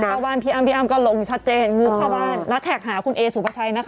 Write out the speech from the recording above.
แต่เข้าบ้านพี่อำก็ลงชัดเจนก็ว่นนัดแท็กหาขุนเอสูงพะชัยนะคะ